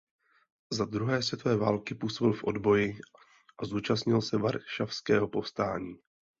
Za druhé světové války působil v odboji a zúčastnil se Varšavského povstání.